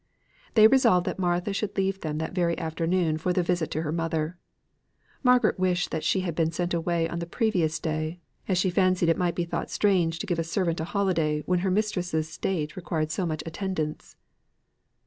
They resolved that Martha should leave them that very afternoon for this visit to her mother. Margaret wished that she had been sent away on the previous day, as she fancied it might be thought strange to give a servant a holiday when her mistress's state required so much attendance.